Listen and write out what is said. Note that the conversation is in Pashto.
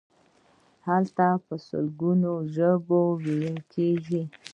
هلته په سلګونو ژبې ویل کیږي.